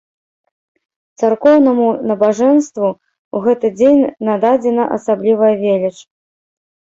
Царкоўнаму набажэнству ў гэты дзень нададзена асаблівая веліч.